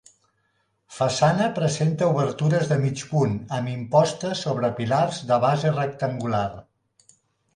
Façana presenta obertures de mig punt, amb imposta sobre pilars de base rectangular.